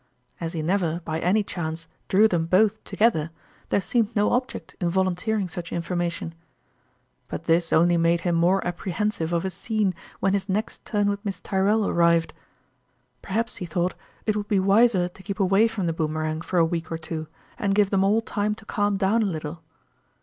As he never by any chance drew them both to gether, there seemed no object in volunteering such information. But this only made him more apprehensive of a scene when his next turn with Miss Tyr rell arrived. Perhaps, he thought, it would be w r iser to keep away from the Boomerang for a week or two, and give them all time to calm down a little.